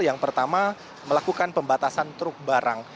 yang pertama melakukan pembatasan truk barang